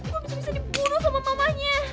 gua bisa bisa dibunuh sama mamanya